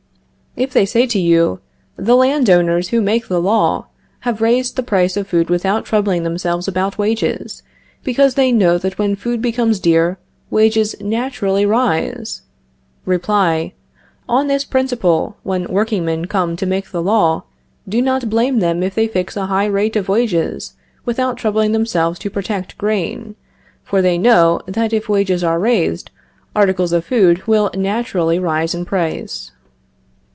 If they say to you: The land owners, who make the law, have raised the price of food without troubling themselves about wages, because they know that when food becomes dear, wages naturally rise Reply: On this principle, when workingmen come to make the law, do not blame them if they fix a high rate of wages without troubling themselves to protect grain, for they know that if wages are raised, articles of food will naturally rise in price.